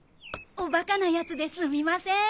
おバカなやつですみません。